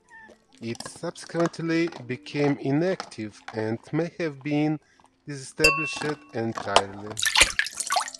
It subsequently became inactive and may have been disestablished entirely.